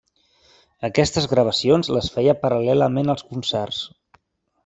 Aquestes gravacions les feia paral·lelament als concerts.